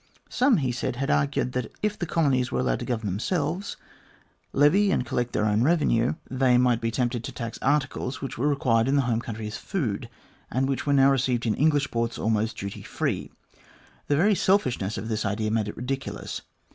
Some, he said, had argued that, if the colonies were allowed to govern themselves, levy and collect A COUPLE OF COLONIAL LECTURES 257 their own revenue, they might be tempted to tax articles which were required in the home country as food, and which were now received in English ports almost duty free. The very selfishness of this idea made it ridiculous.